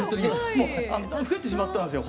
増えてしまったんですよ